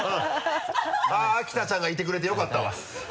秋田ちゃんがいてくれてよかったわ。